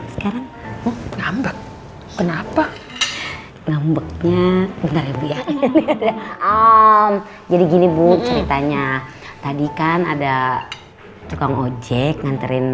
sekarang ngambek kenapa ngambek nya jadi gini bu ceritanya tadi kan ada tukang ojek nganterin